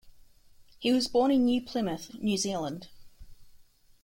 He was born in New Plymouth, New Zealand.